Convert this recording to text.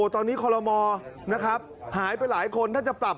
ตอนนี้คอลโลมนะครับหายไปหลายคนถ้าจะปรับ